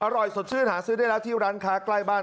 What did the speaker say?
อร่อยสดชื่นหาซื้อได้แล้วที่ร้านค้าใกล้บ้าน